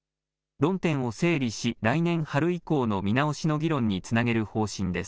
論点を整理し、来年春以降の見直しの議論につなげる方針です。